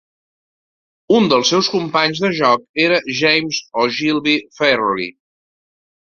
Un dels seus companys de joc era James Ogilvie Fairlie.